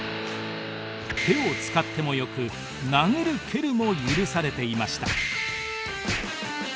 手を使ってもよく殴る蹴るも許されていました。